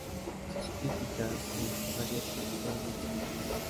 Sus críticas en "Variety" fueron excelentes.